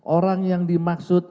orang yang dimaksud